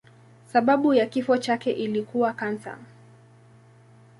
Sababu ya kifo chake ilikuwa kansa.